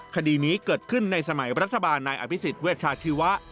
คดีนี้เกิดขึ้นในสมัยรัฐบาลนายอภิษฎเวชาชีวะ